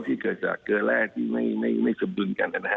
ที่เกิดจากเกลือแร่ที่ไม่สมดุลกันนะฮะ